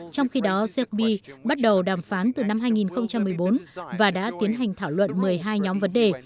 trong khi đó serbi bắt đầu đàm phán từ năm hai nghìn một mươi bốn và đã tiến hành thảo luận một mươi hai nhóm vấn đề